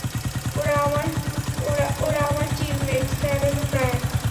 ওরা আমার teammate, Sam এবং ব্রায়ান।